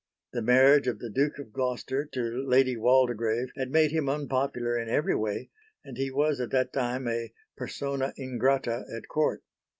The marriage of the Duke of Gloucester to Lady Waldegrave had made him unpopular in every way, and he was at the time a persona ingrata at Court.